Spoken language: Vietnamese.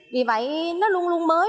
vì vậy nó luôn luôn mới